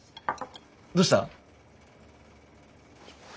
どうした？